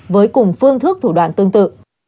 với cùng phương thức thủ đoạn tương tự